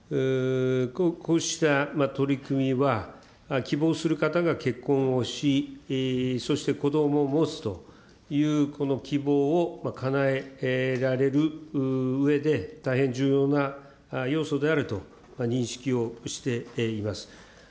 こうした取り組みは、希望する方が結婚をし、そして子どもを持つというこの希望をかなえられるうえで、大変重要な要素であると認識をしています。